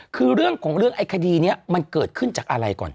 คือเรื่องของเรื่องไอ้คดีนี้มันเกิดขึ้นจากอะไรก่อน